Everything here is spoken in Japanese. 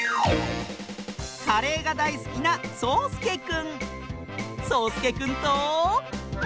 カレーがだいすきなそうすけくんとものしりとり！